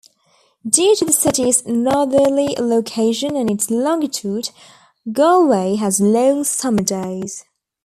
Due to the city's northerly location and its longitude, Galway has long summer days.